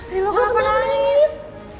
riri lu kenapa nangis